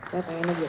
saya pengennya gitu